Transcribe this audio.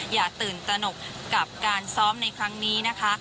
อย่าตื่นตนกกับการซ้อมในครั้งนี้นะคะ